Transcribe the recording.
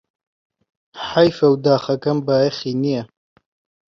حەیفه و داخەکەم بایەخی نییە